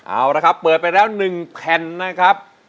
เอาละครับเปิดไปแล้ว๑แผ่นนะครับ